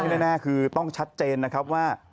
แน่คือต้องชัดเจนนะครับว่า